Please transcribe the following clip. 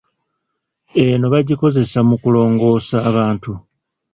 Eno bagikozesa mu kulongoosa abantu.